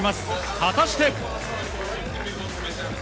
果たして。